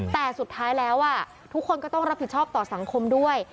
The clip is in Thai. แต่สุดท้ายแล้วทุกคนก็ต้องรับผิดชอบต่อสังคมด้วย